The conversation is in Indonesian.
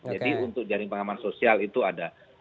jadi untuk jaring pengaman sosial itu ada